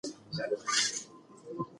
موږ بايد د معتادانو درملنه وکړو.